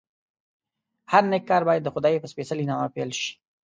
هر نېک کار باید دخدای په سپېڅلي نامه پیل شي.